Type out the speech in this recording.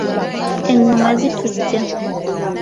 Enggoma zitujja.